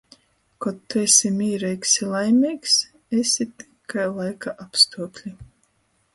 Kod tu esi mīreigs i laimeigs Esit kai laika apstuokli.